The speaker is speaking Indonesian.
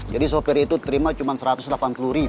jadi sopir itu terima cuma rp satu ratus delapan puluh